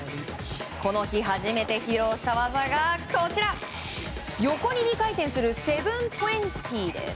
この日初めて披露した技が横に２回転する７２０です。